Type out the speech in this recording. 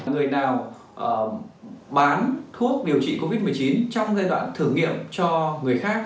người nào bán thuốc điều trị covid một mươi chín trong giai đoạn thử nghiệm cho người khác